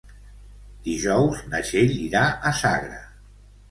Dijous na Txell irà a Sagra.